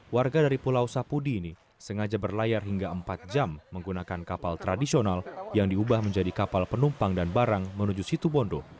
warga dari pulau sapudi ini sengaja berlayar hingga empat jam menggunakan kapal tradisional yang diubah menjadi kapal penumpang dan barang menuju situbondo